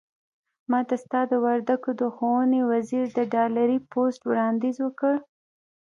ماته ستا د وردګو د ښوونې وزير د ډالري پست وړانديز وکړ.